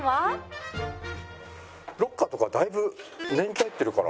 ロッカーとかだいぶ年季入ってるから。